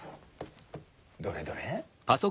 どれどれ。